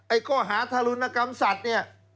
ไอ้ข้อหาธรรมนศัพท์เนี่ย